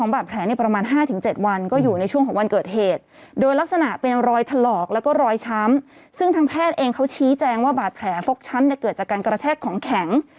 ว่าบาดแผลฟกชั้นเกิดจากการกระแทกของแข็ง